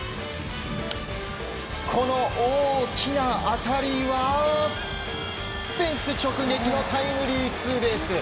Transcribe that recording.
この大きな当たりはフェンス直撃のタイムリーツーベース。